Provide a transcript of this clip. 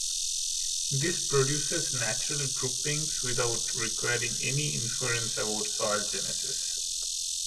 This produces natural groupings without requiring any inference about soil genesis.